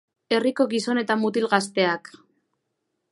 Herriko gizon eta mutil gazteak.